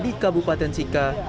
di kabupaten sika